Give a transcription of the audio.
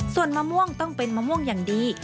ส่วนมะม่วงต้องเป็นมะม่วงอย่างดี